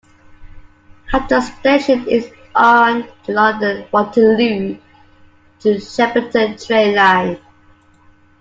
Hampton Station is on the London Waterloo to Shepperton train line.